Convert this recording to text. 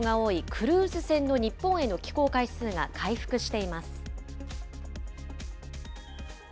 クルーズ船の日本への寄港回数が回復しています。